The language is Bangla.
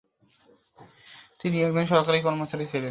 তিনি একজন সরকারী কর্মচারী ছিলেন।